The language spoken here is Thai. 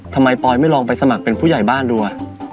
ปอยไม่ลองไปสมัครเป็นผู้ใหญ่บ้านดูอ่ะ